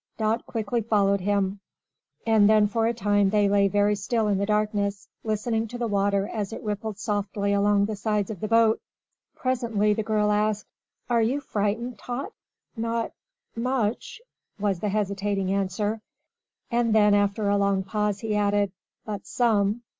Dot quickly followed him, and then for a time they lay very still in the darkness, listening to the water as it rippled softly along the sides of the boat. Presently the girl asked, "Are you frightened, Tot?" "Not, much," was the hesitating answer; and then, after a long pause, he added, "but some."